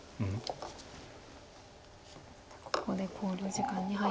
ここで考慮時間に入りました。